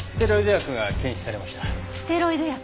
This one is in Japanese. ステロイド薬。